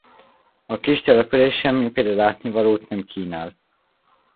A kis település semmiféle látnivalót nem kínál.